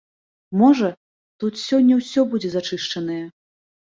Можа, тут сёння ўсё будзе зачышчанае.